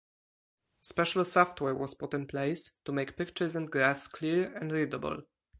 Special software was put in place to make pictures and graphs clear and readable.